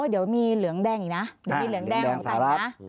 เดี๋ยวมีเหลืองแดงอีกนะอย่างีกบนสะงับ